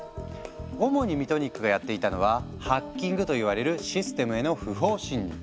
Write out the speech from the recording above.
主にミトニックがやっていたのは「ハッキング」といわれるシステムへの不法侵入。